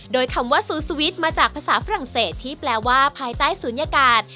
โดยคำว่าซูสวิตช์มาจากภาษาฝรั่งเศสที่แปลว่าภายใต้ศูนยากาศ